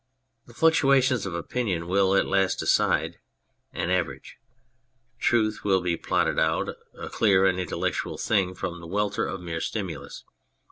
The fluctua tions of opinion will at last . decide an average. Truth will be plotted out, a clear and intellectual thing, from the welter of mere stimulus.